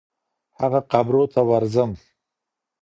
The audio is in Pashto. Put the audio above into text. هغه قبرو ته ورځم